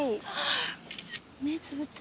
目つぶって。